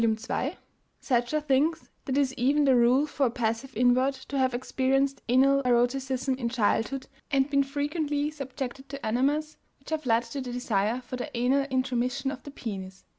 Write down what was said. ii), Sadger thinks that it is even the rule for a passive invert to have experienced anal eroticism in childhood and been frequently subjected to enemas, which have led to the desire for the anal intromission of the penis.